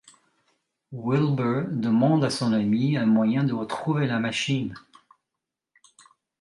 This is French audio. Wilbur demande à son ami un moyen de retrouver la machine.